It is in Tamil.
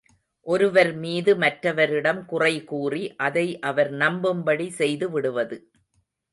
ஒருவர்மீது மற்றவரிடம் குறைகூறி, அதை அவர் நம்பும்படி செய்துவிடுவது.